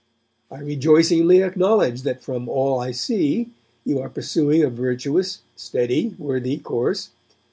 I rejoicingly acknowledge that from all I see you are pursuing a virtuous, steady, worthy course.